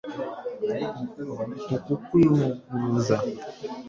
uku kwivuguruza